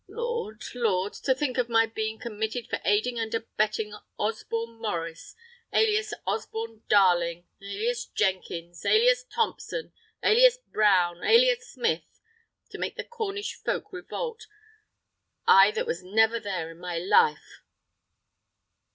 Lord! Lord! to think of my being committed for aiding and abetting Osborne Maurice, alias Osborne Darling, alias Jenkins, alias Thompson, alias Brown, alias Smith, to make the Cornish folks revolt; I that was never there in my life!"